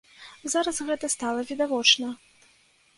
Зараз гэта стала відавочна.